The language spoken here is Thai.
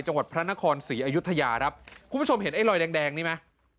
จังหวัดพระนครศรีอยุธยาครับคุณผู้ชมเห็นไอ้รอยแดงแดงนี่ไหม